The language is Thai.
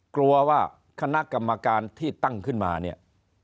กลัวว่าคณะกรรมการที่ตั้งขึ้นมาเนี่ย